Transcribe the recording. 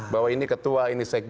bahwa ini ketua ini sekjen